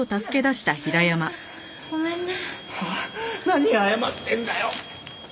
何謝ってんだよ！